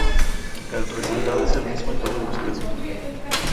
El resultado es el mismo en todos los casos.